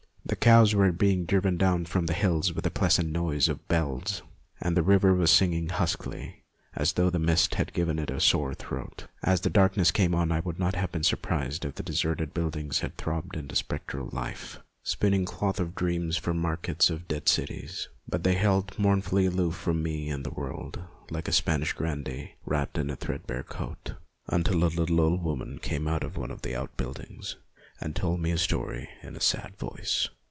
The cows were being driven down from the hills with a pleasant noise of bells, and the river was singing huskily, as though the mist had given it a sore throat. As the darkness came on I would not have been surprised if the deserted buildings had throbbed into spectral life, spinning cloth of dreams for the markets of dead cities. But they held mournfully aloof from me and the world, like a Spanish grandee wrapped in a threadbare coat, until a little old woman came out of one of the outbuildings and told me a story in a sad voice.